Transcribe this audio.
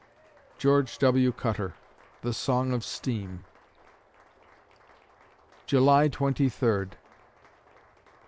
GEORGE W. CUTTER (The Song of Steam) July Twenty Third